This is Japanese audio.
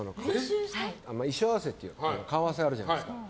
衣装合わせっていう顔合わせ、あるじゃないですか。